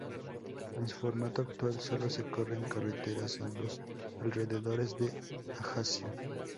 En su formato actual, sólo se corre en carreteras en los alrededores de Ajaccio.